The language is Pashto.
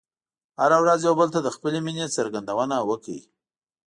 هره ورځ یو بل ته د خپلې مینې څرګندونه وکړئ.